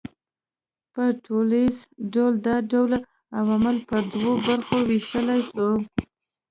په ټوليز ډول دا ډول عوامل پر دوو برخو وېشلای سو